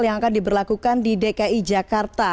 yang akan diberlakukan di dki jakarta